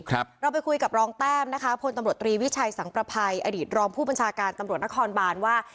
เราไปคุยกับรองแต้มนะคะพลตำรวจตรีวิชัยสังประภัยอดีตรองผู้บัญชาการตำรวจนครบานว่า